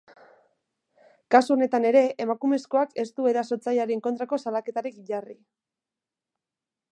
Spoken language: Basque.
Kasu honetan ere, emakumezkoak ez du erasotzailearen kontrako salaketarik jarri.